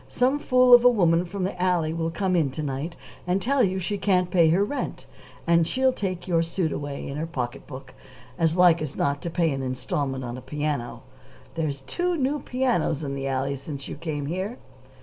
"Some fool of a woman from the alley will come in to night and tell you she can't pay her rent, and she'll take your suit away in her pocket book as like as not to pay an installment on a piano. There's two new pianos in the alley since you came here."